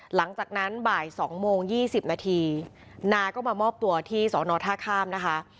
หลังจากนั้นบ่าย๒โมง๒๐นาทีนาก็มามอบตัวที่สอนอท่าข้ามนะคะ